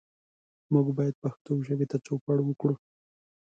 موږ باید پښتو ژبې ته چوپړ وکړو.